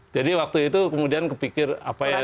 jadi waktu itu kemudian kepikir apa ya